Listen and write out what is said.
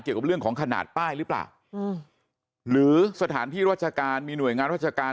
เกี่ยวกับเรื่องของขนาดป้ายหรือเปล่าหรือสถานที่ราชการมีหน่วยงานราชการ